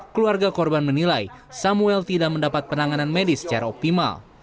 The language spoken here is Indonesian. keluarga korban menilai samuel tidak mendapat penanganan medis secara optimal